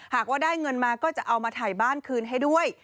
หากว่าได้เงินมาก็จะเอามาถ่ายบ้านคืนให้ด้วย